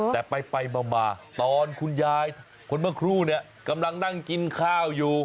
แต่ไปมาตอนคุณยายคนเมื่อครู่เนี่ยกำลังนั่งกินข้าวอยู่